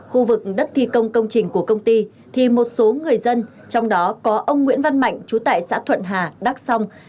khu vực đất thi công công trình của công ty thì một số người dân trong đó có ông nguyễn văn mạnh chú tại xã thuận hà đắc song